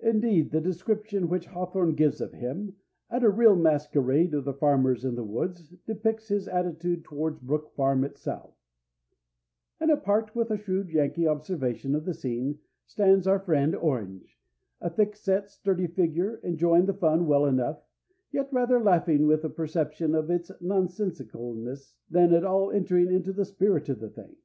Indeed, the description which Hawthorne gives of him at a real masquerade of the farmers in the woods depicts his attitude towards Brook Farm itself: "And apart, with a shrewd Yankee observation of the scene, stands our friend Orange, a thick set, sturdy figure, enjoying the fun well enough, yet rather laughing with a perception of its nonsensicalness than at all entering into the spirit of the thing."